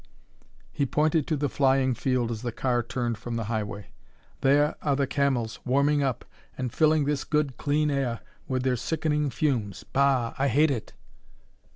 he pointed to the flying field as the car turned from the highway. "There are the Camels, warming up, and filling this good, clean air with their sickening fumes. Bah! I hate it!"